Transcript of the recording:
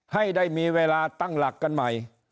ให้ได้มีเวลาตั้งหลักกันใหม่